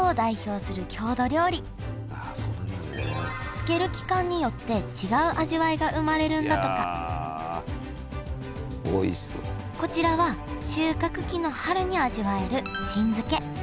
漬ける期間によって違う味わいが生まれるんだとかこちらは収穫期の春に味わえる新漬け。